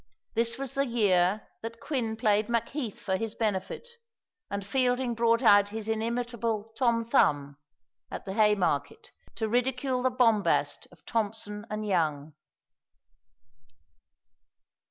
This was the year that Quin played Macheath for his benefit, and Fielding brought out his inimitable "Tom Thumb" at the Haymarket, to ridicule the bombast of Thomson and Young.